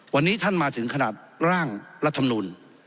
วันนี้ท่านมาถึงขนาดร่างรัฐมนูล